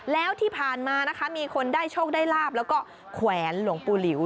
แล้วที่ผ่านมานะคะมีคนได้โชคได้ลาบแล้วก็แขวนหลวงปู่หลิว